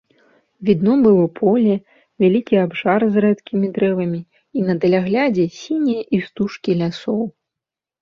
Відно было поле, вялікі абшар з рэдкімі дрэвамі і на даляглядзе сінія істужкі лясоў.